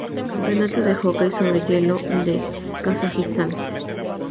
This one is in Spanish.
Campeonato de hockey sobre hielo de Kazajistán